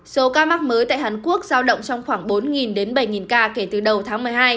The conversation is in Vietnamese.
số ca mắc mới tại hàn quốc giao động trong khoảng bốn đến bảy ca kể từ đầu tháng một mươi hai